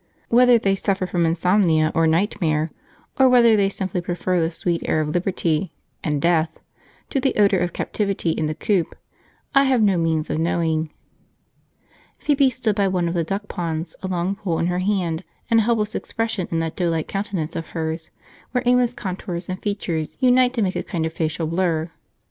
Whether they suffer from insomnia, or nightmare, or whether they simply prefer the sweet air of liberty (and death) to the odour of captivity and the coop, I have no means of knowing. {The pole was not long enough: p21.jpg} Phoebe stood by one of the duck ponds, a long pole in her hand, and a helpless expression in that doughlike countenance of hers, where aimless contours and features unite to make a kind of facial blur.